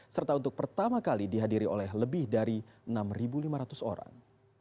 serta untuk pertama kali dihadiri oleh lebih dari enam lima ratus orang